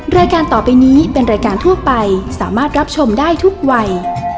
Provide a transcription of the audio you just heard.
รายการต่อไปนี้เป็นรายการทั่วไปสามารถรับชมได้ทุกวัย